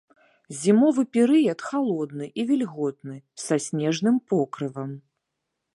Зімовы перыяд халодны і вільготны са снежным покрывам.